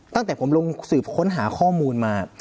ตั้งแต่ผมลงสืบค้นหาข้อมูลมา